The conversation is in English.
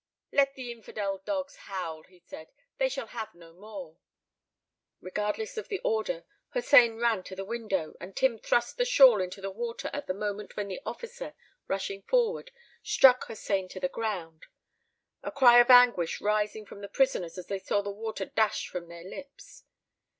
"Let the infidel dogs howl," he said. "They shall have no more." Regardless of the order, Hossein ran to the window, and Tim thrust the shawl into the water at the moment when the officer, rushing forward, struck Hossein to the ground: a cry of anguish rising from the prisoners as they saw the water dashed from their lips.